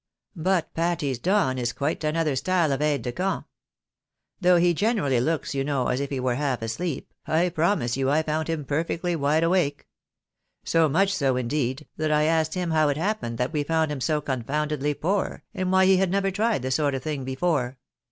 But Patty's Don is quite another style of aide de camp ; though he generally looks, you know, as if he were half asleep, I promise you I found him perfectly wide awake. So much so, indeed, that I asked him how it happened that we found him so confoundedly poor, and why he Lad never tried the sort of thing before